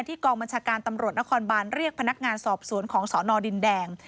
กองบัญชาการตำรวจนครบานเรียกพนักงานสอบสวนของสนดินแดง